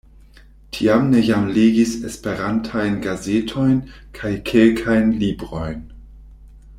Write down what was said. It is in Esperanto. Tiam ni jam legis Esperantajn gazetojn kaj kelkajn librojn.